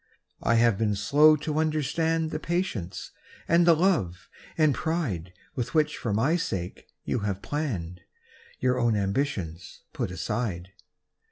I have been slow to understand The patience and the love and pride "With which for my sake you have hour own ambitions put aside.